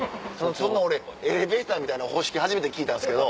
そんな俺エレベーターみたいな方式初めて聞いたんですけど。